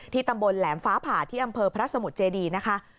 ตำบลแหลมฟ้าผ่าที่อำเภอพระสมุทรเจดีนะคะ